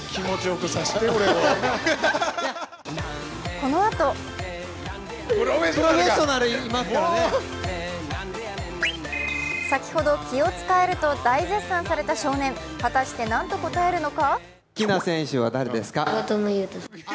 このあと先ほどを気を使えると大絶賛した少年、果たして何と答えるのか？